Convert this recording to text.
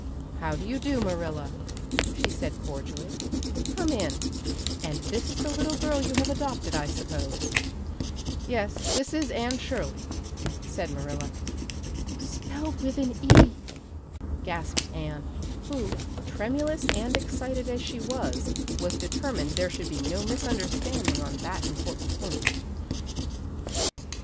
"How do you do, Marilla?" she said cordially. "Come in. And this is the little girl you have adopted, I suppose?" "Yes, this is Anne Shirley," said Marilla. "Spelled with an E," gasped Anne, who, tremulous and excited as she was, was determined there should be no misunderstanding on that important point.